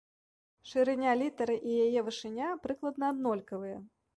Шырыня літары і яе вышыня прыкладна аднолькавыя.